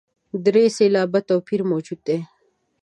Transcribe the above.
درې سېلابه توپیر موجود دی.